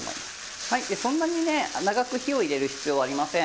そんなにね長く火を入れる必要はありません。